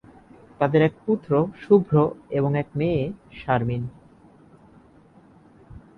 তাদের এক পুত্র, শুভ্র এবং এক মেয়ে, শারমিন।